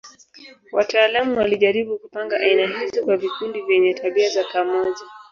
Wataalamu walijaribu kupanga aina hizo kwa vikundi vyenye tabia za pamoja.